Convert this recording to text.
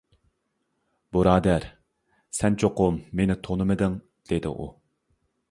-بۇرادەر، سەن چوقۇم مېنى تونۇمىدىڭ-دېدى ئۇ.